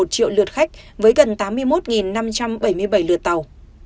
một triệu lượt khách với gần tám mươi một năm trăm bảy mươi bảy lượt tàu